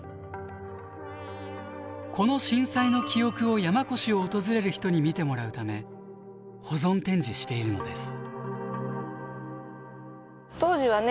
この震災の記憶を山古志を訪れる人に見てもらうため保存展示しているのです。